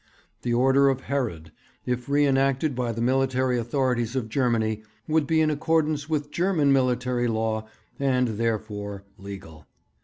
The order of Herod, if re enacted by the military authorities of Germany, would be in accordance with German military law, and therefore "legal."